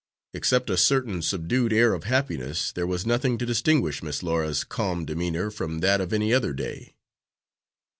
Except a certain subdued air of happiness there was nothing to distinguish Miss Laura's calm demeanor from that of any other day.